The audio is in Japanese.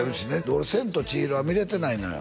俺「千と千尋」は見れてないのよ